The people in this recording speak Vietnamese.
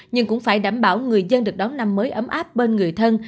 nhưng cũng phải đảm bảo người dân được đón năm mới ấm áp bên người thân